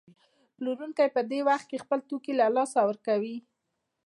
پلورونکی په دې وخت کې خپل توکي له لاسه ورکوي